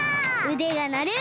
うでがなる。